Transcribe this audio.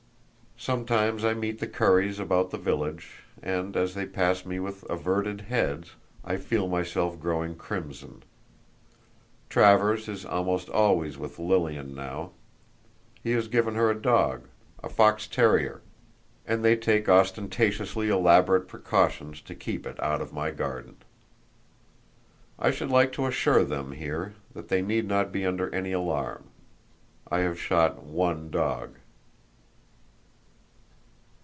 Sometimes I meet the Curries about the village, and as they pass me with averted heads I feel myself growing crimson. Travers is almost always with Lilian now. He has given her a dog,—a fox terrier,—and they take ostentatiously elaborate precautions to keep it out of my garden. I should like to assure them here that they need not be under any alarm. I have shot one dog.